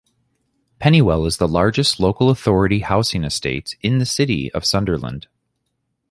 Pennywell is the largest local authority housing estate in the City of Sunderland.